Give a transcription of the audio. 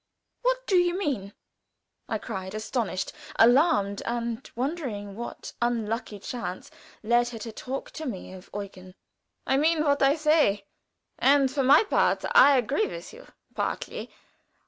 "What do you mean?" I cried, astonished, alarmed, and wondering what unlucky chance led her to talk to me of Eugen. "I mean what I say; and for my part I agree with you partly.